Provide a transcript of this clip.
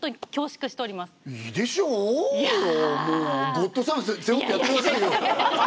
「ゴッドタン」背負ってやってくださいよ。